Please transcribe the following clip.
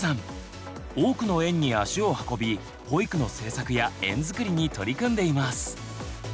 多くの園に足を運び保育の政策や園づくりに取り組んでいます。